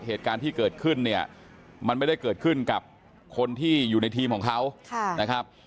เหตุการณ์ที่เกิดขึ้นเนี่ยมันไม่ได้เกิดขึ้นกับคนที่อยู่ในทีมของเขานะครับ